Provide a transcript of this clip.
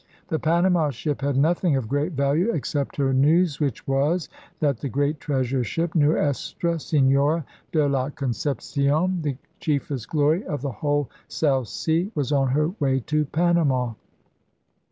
The Panama ship had nothing of great value except her news, which was that the great treasure ship Nuestra Senora de la Concep cion, *the chief est glory of the whole South Sea,' was on her way to Panama.